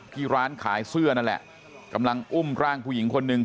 ที่ร้านขายเสื้อนั่นแหละกำลังอุ้มร่างผู้หญิงคนหนึ่ง